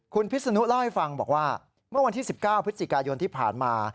คุณพิษนุเล่าให้ฟังบอกว่าเมื่อวันที่๑๙พฤศจิกายนที่ผ่านมา